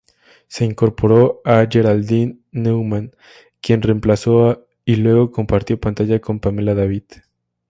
Se incorporó a Geraldine Neumann, quien reemplazó y luego compartió pantalla con Pamela David.